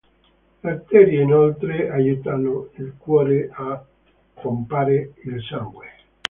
Le arterie inoltre aiutano il cuore a pompare il sangue.